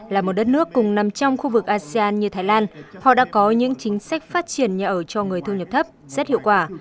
là một đất nước cùng nằm trong khu vực asean như thái lan họ đã có những chính sách phát triển nhà ở cho người thu nhập thấp rất hiệu quả